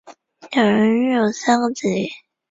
两人育有三个子女。